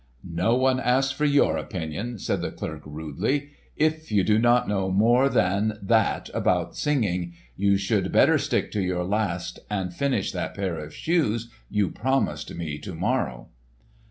"No one asked for your opinion," said the clerk rudely. "If you do not know more than that about singing, you would better stick to your last and finish that pair of shoes you promised me to morrow."